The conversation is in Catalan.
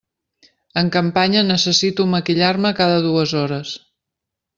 En campanya necessito maquillar-me cada dues hores.